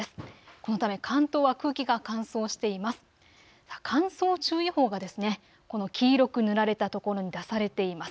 このため関東は空気が乾燥しています。